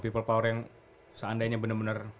people power yang seandainya benar benar